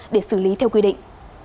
để xử lý theo quy định